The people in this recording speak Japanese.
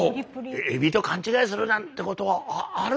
「エビと勘違いするなんてことはある？